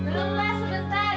belum mbak sebentar